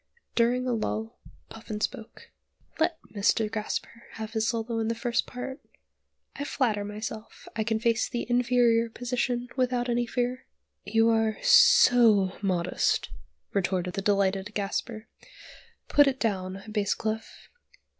During a lull Puffin spoke. "Let Mr. Gasper have his solo in the first part. I flatter myself I can face the inferior position without any fear." "You are so modest," retorted the delighted Gasper. "Put it down, Basscleff.